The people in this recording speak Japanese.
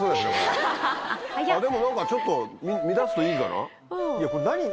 でも何かちょっと見だすといいかな。